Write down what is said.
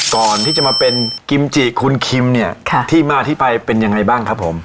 ก่อนที่จะมาเป็นกิมจิคุณคิมเนี่ยที่มาที่ไปเป็นยังไงบ้างครับผม